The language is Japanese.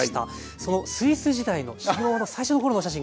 そのスイス時代の修業の最初の頃のお写真が。